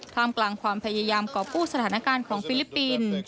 มกลางความพยายามก่อกู้สถานการณ์ของฟิลิปปินส์